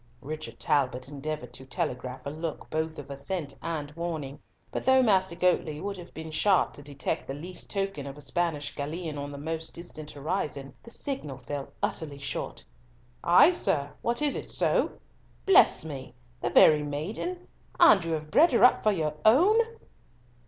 Richard Talbot endeavoured to telegraph a look both of assent and warning, but though Master Goatley would have been sharp to detect the least token of a Spanish galleon on the most distant horizon, the signal fell utterly short. "Ay, sir. What, is it so? Bless me! The very maiden! And you have bred her up for your own."